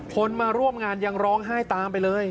คนมาร่วมงานยังร้องไห้ตามไปเลย